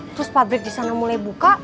terus pabrik di sana mulai buka